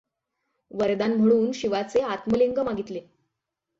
वरदान म्हणून शिवाचे आत्मलिंग मागितले.